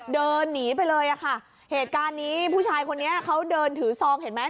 เดินหนีไปเลยอ่ะค่ะเหตุการณ์นี้ผู้ชายคนนี้เขาเดินถือซองเห็นไหม